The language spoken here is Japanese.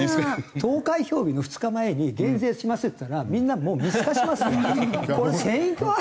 投開票日の２日前に減税しますって言ったらみんなもう見透かしますわこれ選挙目当てだろと。